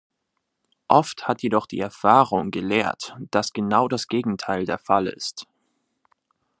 Oft hat jedoch die Erfahrung gelehrt, dass genau das Gegenteil der Fall ist.